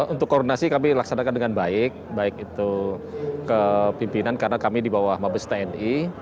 untuk koordinasi kami laksanakan dengan baik baik itu ke pimpinan karena kami di bawah mabes tni